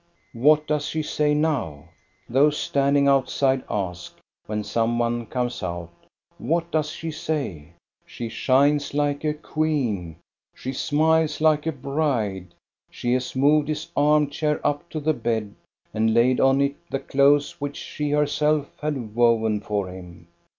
"What does she say now.?" those standing out side ask when some one comes out. "What does she say.?" BROBY FAIR 437 ''She shines like a queen. She smiles like a bride. She has moved his arm chair up to the bed and laid on it the clothes which she herself had woven for him."